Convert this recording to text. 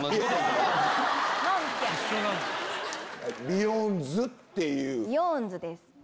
ビヨーンズっていう。